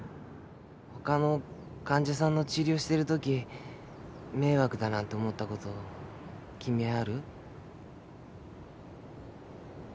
ほかの患者さんの治療してるとき迷惑だなんて思ったこと君はある？